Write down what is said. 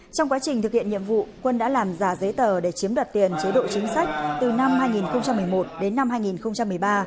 trong quá trình thực hiện nhiệm vụ quân đã làm giả giấy tờ để chiếm đoạt tiền chế độ chính sách từ năm hai nghìn một mươi một đến năm hai nghìn một mươi ba